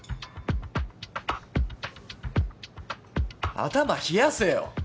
頭冷やせよ！